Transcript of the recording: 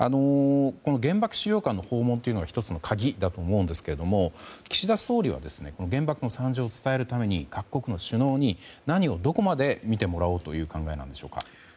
原爆資料館への訪問が１つの鍵だと思いますが岸田総理は原爆の惨状を伝えるために各国の首脳に何をどこまで見てもらおうという考えでしょうか。